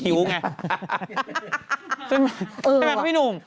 ใช่ไหมครับพี่หนุ่ม